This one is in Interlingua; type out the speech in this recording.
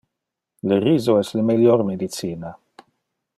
Le riso es le melior medicina.